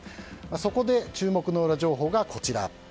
そこで注目のウラ情報がこちら。